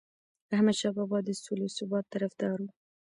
احمدشاه بابا د سولې او ثبات طرفدار و.